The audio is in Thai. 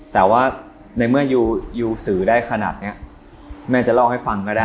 แต่ว่าในเมื่อยูสื่อได้ขนาดนี้แม่จะเล่าให้ฟังก็ได้